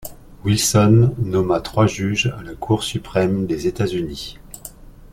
Wilson nomma trois juges à la Cour suprême des États-Unis.